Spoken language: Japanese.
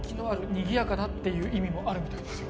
「にぎやかな」っていう意味もあるみたいですよ